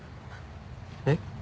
えっ？